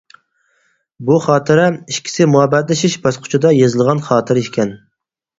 بۇ خاتىرە ئىككىسى مۇھەببەتلىشىش باسقۇچىدا يېزىلغان خاتىرە ئىكەن.